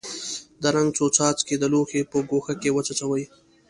د رنګ څو څاڅکي د لوښي په ګوښه کې وڅڅوئ.